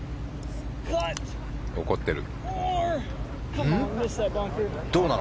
怒ってる。